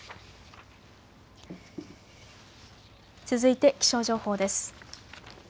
続いて気象情報です。